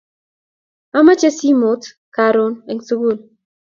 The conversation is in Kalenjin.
amache simot karun en sukul